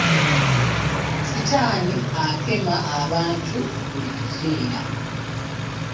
Sitaani akema abantu buli kiseera.